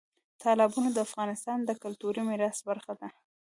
تالابونه د افغانستان د کلتوري میراث برخه ده.